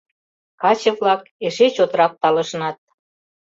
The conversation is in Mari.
Каче-влак эше чотрак талышнат.